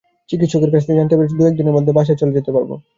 চিকিৎসকের কাছ থেকে জানতে পেরেছি, দু-এক দিনের মধ্যে বাসায় চলে যেতে পারব।